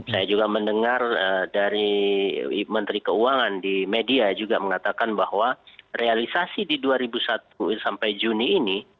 saya juga mendengar dari menteri keuangan di media juga mengatakan bahwa realisasi di dua ribu satu sampai juni ini